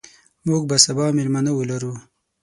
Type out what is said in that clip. موږ به سبا میلمانه ولرو.